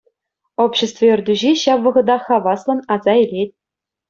Общество ертӳҫи ҫав вӑхӑта хаваслӑн аса илет.